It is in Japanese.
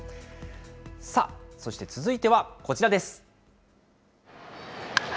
さあ、そして続いてはこちらです。